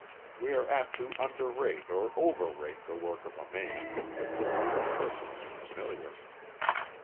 We are apt to underrate or overrate the work of a man with whom we are personally familiar.